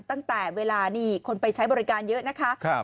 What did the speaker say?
ตั้งแต่เวลานี่คนไปใช้บริการเยอะนะคะ